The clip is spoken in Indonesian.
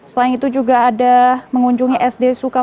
selain itu juga ada mengunjungi sd sukarno